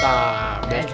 kenalin ini clara